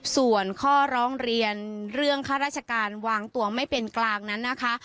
ส่วนข้อร้องเรียนเรื่องข้าราชการวางตัวไม่เป็นกลางนั้นนะคะ